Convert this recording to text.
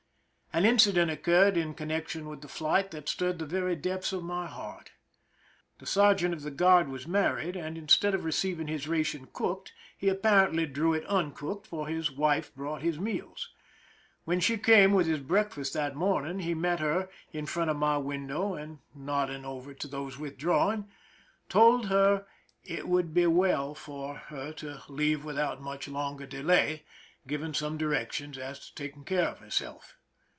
An incident occurred in connection with the flight that stirred the very depths of my heart. The ser geant of the guard was married, and instead of receiving his ration cooked he apparently drew it uncooked, for his wife brought his meals. When she came with his breakfast that morning*, he met her in front of my window, and nodding over to those withdrawing, told her it would be well for 286 PRISON LIFE THE SIEGE her to leave without much longer delay, giving some directions as to taking care of herself.